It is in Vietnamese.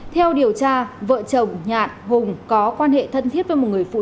theo điều tra vợ chồng nhạn hùng có quan hệ thân thiết với một người phụ nữ